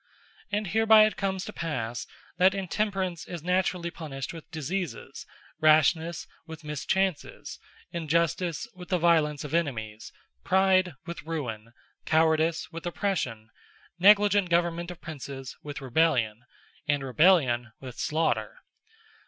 And hereby it comes to passe, that Intemperance, is naturally punished with Diseases; Rashnesse, with Mischances; Injustice, with the Violence of Enemies; Pride, with Ruine; Cowardise, with Oppression; Negligent government of Princes, with Rebellion; and Rebellion, with Slaughter.